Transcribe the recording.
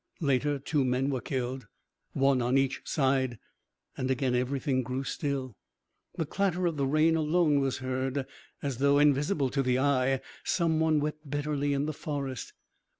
Later two men were killed, one on each side, and again everything grew still. The clatter of the rain alone was heard, as though, invisible to the eye, some one wept bitterly in the forest.